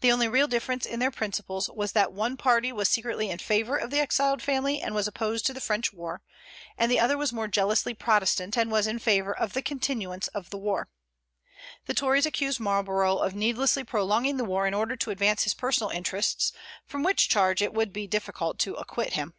The only real difference in their principles was that one party was secretly in favor of the exiled family and was opposed to the French war, and the other was more jealously Protestant, and was in favor of the continuance of the war. The Tories accused Marlborough of needlessly prolonging the war in order to advance his personal interests, from which charge it would be difficult to acquit him.